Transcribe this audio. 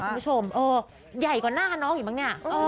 คุณผู้ชมเออใหญ่กว่าหน้าน้องอีกมั้งเนี่ย